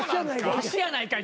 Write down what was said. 「ワシやないかい！」